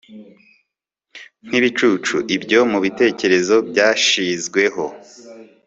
Nkibicucu ibyo mubitekerezo byashizweho